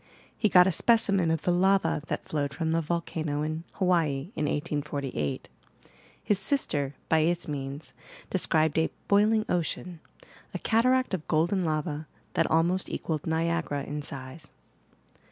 He got a specimen of the lava that flowed from tbo volcano in Hawaii in 1848. His sister, by its means, described a "boiling ocean," a cataract of golden lava that almost equalled Niagara in size.